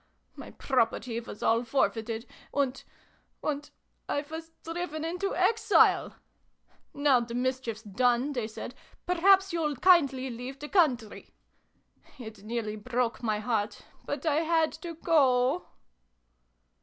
My property was all forfeited, and and 1 was driven into exile! ' Now the mischief's done,' they said, ' perhaps you'll kindly leave the country ?' It nearly broke my heart, but I had to go